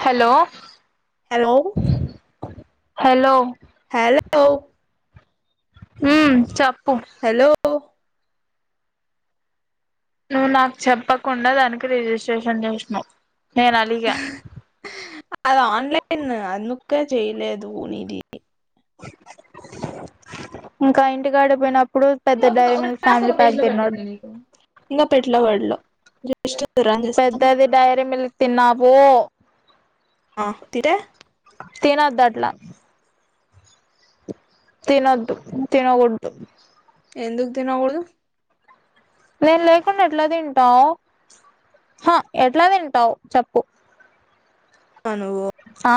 Hello hello hello hello హ్మ్మ్ చప్ hello నువ్వు నాకు చెప్పకుండా దానికి రిజిస్ట్రేషన్ చేసినవు నేను అలిగా అది ఆన్లైన్ అందుకే చెయ్యలేదు. ధోనిది ఇంకా ఇంటికాడికి పోయినప్ అప్పుడు పెద్ద డైరీ ఒక మిల్క్ టాస్క్ ఒక ఫ్యామిలీ పేజ్ ప్యాక్ లో తిన్నాడు. పెట్టిందా నీకు ఇంగా పెట్లే వాటిలో జస్ట్ రన్ చేస్తానా పెద్దది డైరీ మిల్క్ తిన్నావూ ఆ తిరే తినద్ధట్ల తినొద్దు తినకూడదు. ఎందుకు తినకూడదు. నేను లేకుండా ఎట్లా తింటావు హ ఎట్లా తింటావు చెప్పు ఆ నువ్వు ఆ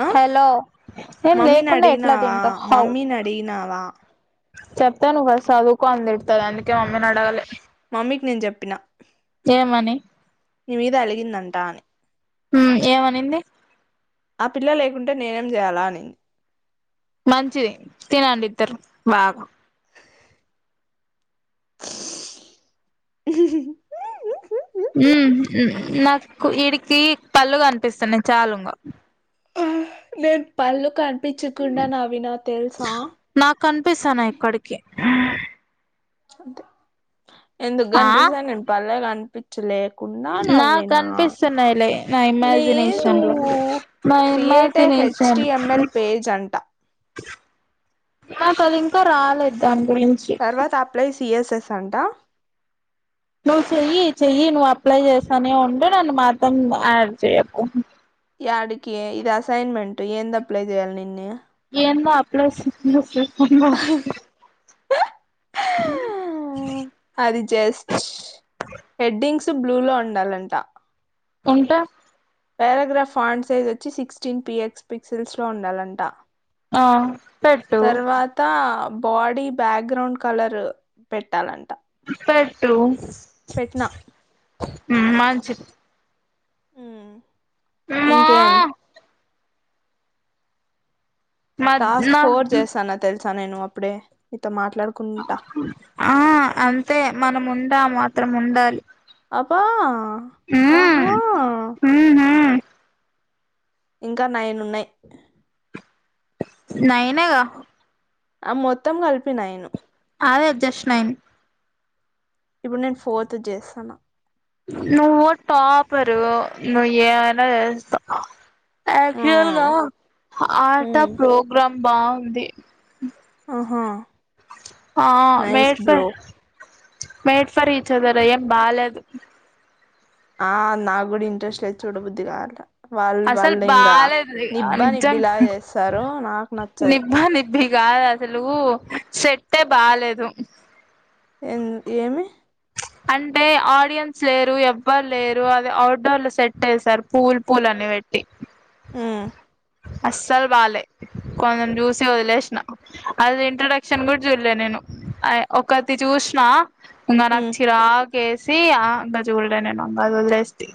ఆ హలో నేన్ మమ్మీని లేకుండా ఎట్లా అడిగినావా తింటావ్ హావ్ మమ్మీని అడిగినావా చెప్తాను ఫస్ట్ చదువుకో అని తిడతారు అందుకే మమ్మనడగలే మమ్మీకి నేను చెప్పిన ఏమని నీ మీద అలిగిందంట అని ఊ ఏమనింది. ఆ పిల్ల లేకుంటే నేనేం చేయాలా అనింది. మంచిది తినండి ఇద్దరు బాగా [inaudible] [inaudible] ఊ నాకు వీడికి పళ్ళుగనిపిస్తున్నాయి చాలిగా నేన్ పల్లుకని ప్పించ్చకుండా నవ్విన తెలుసా కనిపిస్తానాయి ఇక్కడికి అంతే ఎందుకు ఆ గనిపిస్త నేను పల్లెగ నిపించ చిలే నాకు కనిపిస్తున్నాయిలే నా లేదు ఇమాజినేషన్ లో నా create a imagination HTML page అంట నాకు అది ఇంకా రాలేదు దానికి కిమించి తర్వాత అప్లై సిఎస్ఎస్ అంటా నువ్వు చెయ్యి చెయ్యి నువ్వు అప్లై చేస్తానే ఉండు నన్ను మాత్రం యాడ్ చెయ్యకు యాడికి ఇది అసైన్మెంట్ ఎందప్లై చేయ్యాలి నిన్ని ఎన్వో అప్లై చేసి హు హు హు ఊ అది జస్ట్ హెడ్డింగ్స్. బ్లూలో ఉండాలంట ఉంటా పేరాగ్రాఫ్ ఆండ్ సైజ్ వచ్చి సిక్స్టీన్ పిఎక్స్ పిక్సెల్స్ లో ఉండాలంట ఆ పెట్టు తర్వాత బాడీ బ్యాక్గ్రౌండ్ కలర్ పెట్టాలంట పెట్టు పెట్న హమ్ మంచిది అమ్మా ఇంకేం మధ్న టాస్క్ ఫోర్ చేస్తాను నా తెలుస్ చా నేను అప్పుడే ఇ తో పా ఆ అంతే మనం ఉందా మాత్రం ఉండాలి అబా ఉమ్ ఆహా ఉహు ఇంకా నాయనున్నయి నైన్ ఏ గదా ఆ మొత్తం కలిపి నైను అదే అడ్జెస్ట్ అైన్ ఇప్పుడు నేను ఫోర్త్ చేస్తనా నువ్వుో టాపరు నువు ఏమైనా చేస్తావ్ ఆ ఎక్చుల్గా ఆట ప్రోగ్రామ్ బాగుంది ఆహా ఆ nice made for bro made for each other ఏం బాలేదు ఆ నాకు కుడా ఇంట్రెస్ట్ లేదు చూడ బుద్ధి కాలే వాళ్ళు అసలు వాళ్ళు ఇంకా బాలేదు నిబ్బ నిజం నిబ్బిలా చేస్తారు నాకు నచ్చదు నిబ్బా నిబ్బి కాదు అసలు సెట్టె బాలేేదు ఎం ఏమి అంటే ఆడియన్స్ లేరు ఎవ్వరు లేరు అది అఔట్డోర్ లో సెట్ వసారు పూలు పూల అని పెట్టి అస్సలు బాలేే కొంచెం చూసి వదిలేసినా అది ఇంట్రొడక్షన్ కూడా చూడలే నేను ఆ ఒకటి చూసిన నుమార ఆకేసి ఆ అంగజు ఉల్డ నేన్ ఇంగ వదిలెస్టి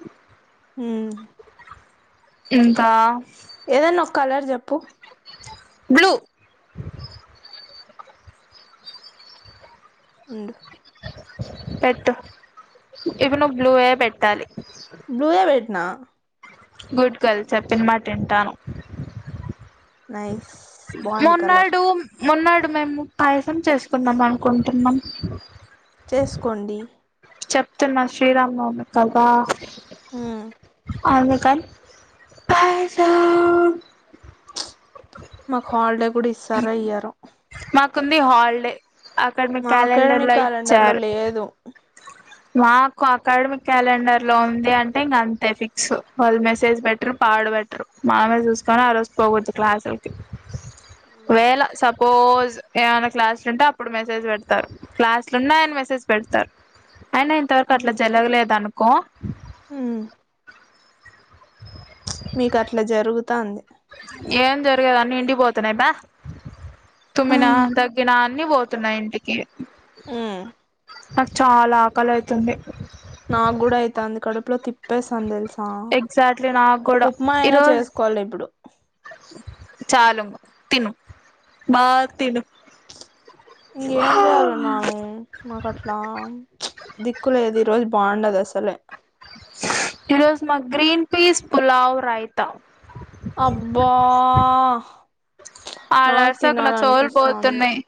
హమ్ ఇంకా ఏదన్నా ఒక కలర్ చెప్పు బ్లూ ఉండు పెట్టు ఇవి ను్ బ్లూయే పెట్టాలి నా గుడ్ గర్ల్ చెప్పిన మాట వింటాను నై మొన్నాడు మొన్నాడు మేము పాయసం చేసుకుందాం అనుకుంటున్నాం చేసుకోండి చెప్తున్నా శ్రీరామ్ నవమి కదా ఆ అగ్ ఆక మాక్ హాల్ కుడి ఇస్తారో ఇయ్యారో కుంది హాలిడే అక్కడ మీ మా క్యాలెండర్ అకాడమిక్ లో క్యాలెండర్ లో ఇచ్చారు లేదు మాకు అకాడమిక్ క్యాలెండర్ లో ఉంది అంటే ఇంకా అంతే ఫిక్స్, వాళ్ళు మెసేజ్ పెటరు పాడుపెటరు మామే చూసుకొని ఆ రోజు పోవచ్చు క్లాసులకి వేళ సప్ పోజ్ ఏమైనా క్లాస్లు ఉంటే అప్పుడు మెసేజ్ పెడతారు, క్లాస్లు ఉన్న ఆయన మెసేజ్ పెడతారు. అయినా ఇంతవరకు అట్లా జరగలేదు అనుకో మ్ మీకు అట్లా జరుగుతా ఉంది ఏం జరిగద అన్ని ఇంటికి పోతున్నాయి బా తుమ్మిన మ్మ్ దగ్గిన అన్ని పోతున్నాయి ఇంటికి నాకు చాలా ఆకాల అయ్ తందే నాకు కూడా అయితు అంది కడుపులో తిప్పేస్తాంది తెలుసా ఎగ్జాక్ట్లీ నాకు కూడా ఉప్మా అయినా ఈరోజు చేసుకోవాలి ఇప్పుడు చాలు తిను బా తిను ఇంకేం చేయాలిన్నాను నాకు అట్లా దిక్కులేదు ఈ రోజు బాగుండదు అసలే ఈ రోజ మా గ్రీన్ పీస్ పులావ్ రాయితా అబ్బా ఆడ నాకు అరిసాకు నా చెవులు తినాలనిపిస్తోంది పోతున్నాయి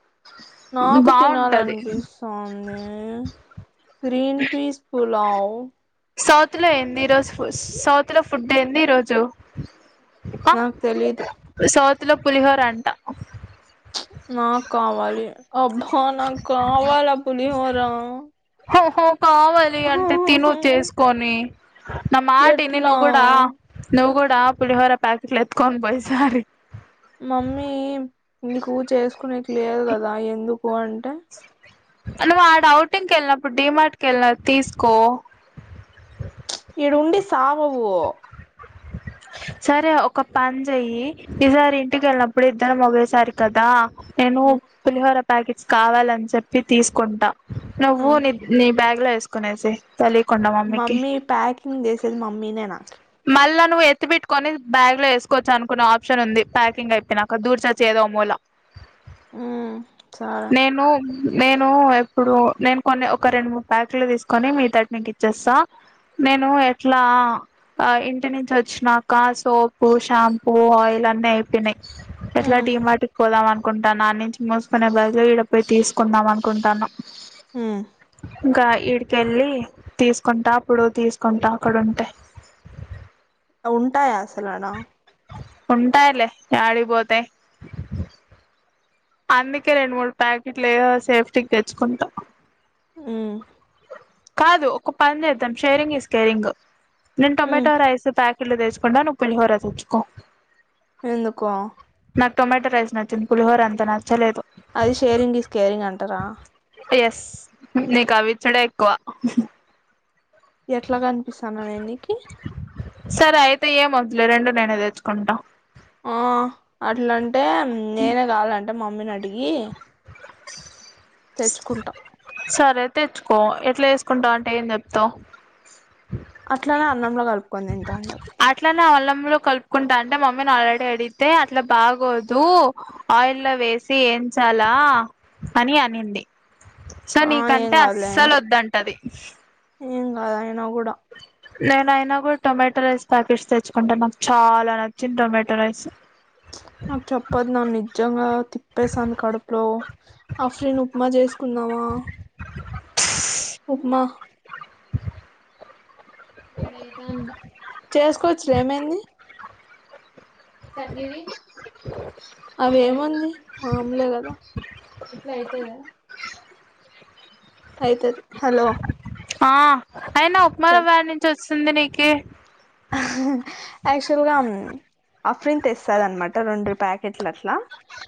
నాకు బాగుంటది తినాలనిపిస్తోంది గ్రీన్ పీస్ పుల్ పలావు సౌత్ లో ఏంది ఈరోజు సౌత్ లో ఫుడ్ ఏంది ఈరోజు ఆక నాకు తెలీదు సౌత్ ఇత్తులో పులిహోర అంట నాకు కావాలి అబ్బా నాకు కావాలా పులిహోర ఒ హో కావాలి అంటే తిను చేసుకొని నా మాటని ఎట్లా నువ్వు గుడా నువ్ గు దా పులిహోర పేకెట్లు ఎత్తు కొని పో ఈసారి మమ్మీ నీకు చేసుకునే క్లియర్ గదా ఎందుకు అంటే అంటే ఆడ ఔటింగ్కి వెళ్ళినప్పుడు డిమార్ట్ కి వెళ్ళిన తీసుకో ఇడుండి సావవూ సరే ఒక పని చెయ్యి ఈసారి ఇంటికి వెళ్ళినప్పుడు ఇద్దరం ఒకేసారి కదా నేను ఉమ్, పులిహోర ప్యాకెట్స్ కావాలని చెప్పి తీసుకుంటా నువ్వు ఉమ్. నీ నీ బ్యాగ్ లోది తీస్కొనేసి మమ్మీ ప్యాకింగ్ చేసేది మమ్మీనే నా మళ్ళా నువ్వు ఎత్తి పెట్టుకొని బ్యాగ్ లో వేసుకోచ్చ అనుకున్న ఆప్షన్ ఉంది ప్యాకింగ్ అయిపోయినాక దూర్చొచ్చు ఏదో మూల ఉమ్, సరే నేనూ నేను ఇప్పుడు నేను కొన్ని ఒక రెండు మూడు ప్యాకులు తీసుకొని మిగతాది మీకిచ్చేస్తా నేను ఎట్లా ఆ ఇం ఇంటి నుంచి వచ్చినాక సోపు షాంపూ ఆయిల్ అన్ని అయిపోయినాయి ఎట్లా ఉమ్, డీమార్ట్ కి పోదామను అనుకుంటాను ఆ నుంచి మోసుకునే బదులు ఈడ పోయి తీసుకుందాం అనుకుంటాను ఉమ్. ఇంకా ఈడకెళ్లి తీసుకుంటా అప్పుడు తీసుకుంటా అక్కడ ఉంటే ఉంటాయా అసలాడ ఉంటాయిలే యాడికి పోతాయ్ అందుకే రెండు మూడు ప్యాకెట్లు ఏదో సేఫ్టీకి తెచ్చుకుంటా హ్మ్ కాదు ఒక పనిచేద్దాం షేరింగ్ ఇస్ కేరింగు నేను ఉమ్. టొమాటో రైసు ప్యాక్ ఫుల్ తెచ్చుకుంట నువ్ పులిహోర తెచ్చుకో ఎందుకో నాకు టొమాటో రైస్ నచ్చింది పులిహోర అంత నచ్చలేదు అది షేరింగ్ ఈస్ కేరింగ్ అంటారా ఎస్ నీకు అవ్విచ్చుడే ఎక్కువ ఎట్లా కనిపిస్తానాన నేన్నీకి సరే అయితే ఏమొద్దులే రెండు నేనే తెచ్చుకుంటా ఆ అట్లంటే నేనే కావలం అంటే మమ్మీని అడిగి తెచ్చుకుంటాం సరే తెచ్చుకో ఎట్లా వేసుకుంటవంటే ఏం చెప్తావు అట్లనా అన్నంలో కలుపుకొని తింటా అని చెప్ అట్లనే అల్లంలో కలుపుకుంటా అంటే మమ్మీని ఆల్రెడీ అడిగితే అట్లా బాగోదు ఆయిల్ లో వేసి ఏంచాలా అని అనింది సో ఆ ఏం నీకంటే కాదులే అస్సలు ఒద్దంటది [inaudible] నువ్వు కూడా నేనయినా గుడా టొమాటో రైస్ ప్యాకెట్స్ తెచ్చుకుంటా నాకు చాలా నచ్చింది టొమాటో రైస్ నాకు చెప్పద్దు నాన్న నిజంగా తిప్పేస్తంది కడుపులో ఆఫ్రిన్ ఉప్మా చేసుకుందామా ఉప్మా చేసుకోవచ్చులే ఏమైంది. అవి ఏముంది మామూలే కదా అయితదా అయితది హలో ఆ అయినా ఉప్మా రవ్వ యాడ నుంచి వచ్ సుందనికి యాక్చువల్గా అఫ్రిన్ తెస్తుదన్నమాట రెండు ప్యాకెట్ అట్లా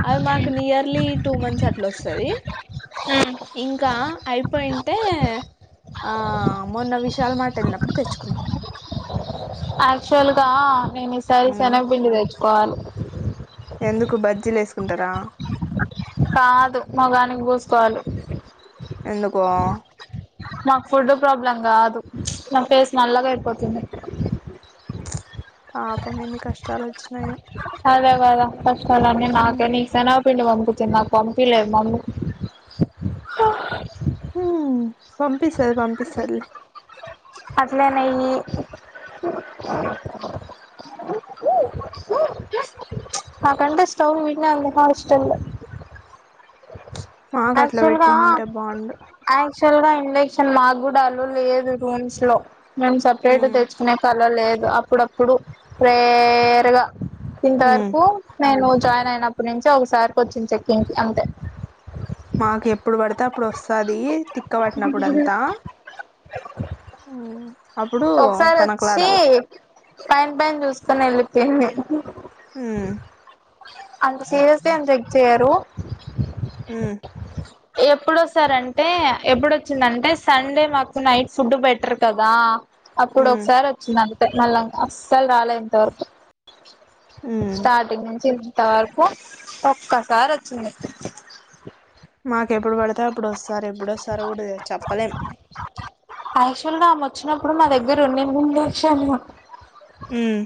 అవి మాకు నియర్లీ టూ మంత్స్ అట్లా వస్తది ఇంకా అయిపోయింటే ఆ మొన్న విశాల్ మార్ట్ వెళ్ళినప్పుడు తెచ్చుకున్నాం ఆక్చువల్గా నేన్ ఈ సారి హ్మ్. శనగ పిండి తెచ్ పాన్ ఎందుకు బజ్జీలేస్ కుంటరా కాదు మొఖానికి పూసుకోవాలి ఎందుకో నాకు ఫుడ్ ప్రాబ్లం కాదు నా ఫేస్ నల్లగ అయిపోతుంది పాపం ఎన్ని కష్టాలు వచ్చినయో అదే కదా కష్టాలన్నీ నాకే నీకు శనగ పిండి పంపుతుంది నాకు పంపిలేదు మమ్మి ఊ పంపిస్ పంపిస్తది పంపిస్తదిలే అట్లే నెయ్యి నా కంటే స్టవ్ ఈడనే ఉంది హాస్టల్లో మాకు అట్లా పెట్టినింటే బావుండు చువల్గా ఇండక్షన్ మాక్ గుడ అల్లో లేదు రూమ్స్ లో మేమ్ సపరేట్ హ్మ్. తెచ్చుకునేకల్లో లేదు అప్పుడప్పుడు రేర్ గా హ్మ్. ఇంతవరకు నేను జాయిన్ అయినప్పటి నుంచి ఒకసారికొచ్చింది చెక్కింగ్కి అంతే మాకెప్పుడు పడితె అప్ [unintelligible] వస్తాది తిక్క పట్టినప్పుడంతా అప్పుడు ఒకసారి వచ్చి తనకలాడాల. పైన పైన చూసుకుని వెళ్ళి పొయింది హ్మ్ అంత చేస్తే అంత ఎగ్ చేయరు ఇనికి ఉమ్ ఎప్పుడొస్తారంటే ఎప్పుడొచ్చిందంటే సండే మాకు నైట్ ఫుడ్ పెట్టర్ కదా హ్మ్ అప్పుడొకసారి వచ్చిందను మల్ల అస్సలు రాలే ఇంతవరకు హ్మ్ స్టార్టింగ్ నుంచి త వరకు ఒక్కసారి వచ్చింది మాకెప్పుడు పడి తే అప్పుడు వస్తారు ఎప్పుడొస్తారు కూడా చెప్పలేం యాక్చువల్ గా ఆమె వచ్చినప్పుడు మా దగ్గర ఉండింది [unintelligible] హ్మ్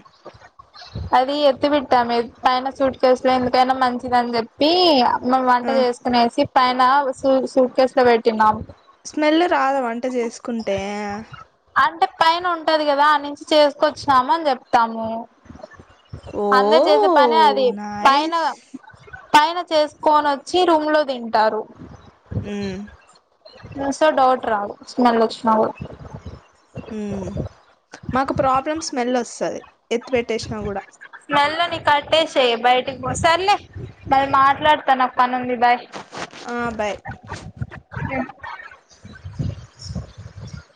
అది ఎత్తి పెట్టాము పైన సూట్ కేసులో ఎందుకైనా మంచిదని చెప్పి మం వంట ఆ చేసుకునేసి పైన సూ సూట్కేస్ ల పెట్టిన్నామ్ స్మెల్ రాదా వంట చేసుకుంటే అంటే పైన ఉంటది కదా ఆ నుంచి చేసుకొచ్చినాము అని చెప్తాము ఓ అందరు చేసే పనే అది పైన నైస్ పైన చేసుకోనొచ్చి రూమ్ లో తింటారు మ్మ్ సో డౌట్ రాదు స్మెల్ వచ్చినా కూడా హ్మ్ ఎత్తిపెట్టేసినా కూడ స్మెల్ కట్టేసేయ్ బయటికి పో సర్లే మరి మాట్లాడతాను నాకు పనుంది బాయ్ ఆ బాయ్ [unintelligible]